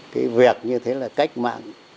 cái việc như thế là cách mạng